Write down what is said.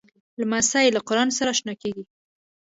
لمسی له قرآنه سره اشنا کېږي.